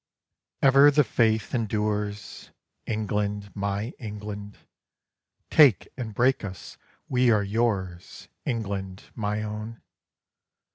Ever the faith endures, England, my England: "Take and break us: we are yours, England, my own!